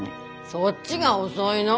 そっちが遅いの。